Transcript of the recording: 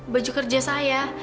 baju kerja saya